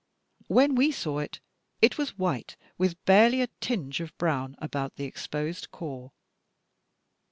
When we saw it, it was white with barely a tinge of brown about the exposed core.